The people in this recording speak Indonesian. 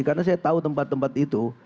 karena saya tahu tempat tempat itu